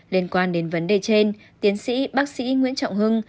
liên quan đến vấn đề trên tiến sĩ bác sĩ nguyễn trọng hưng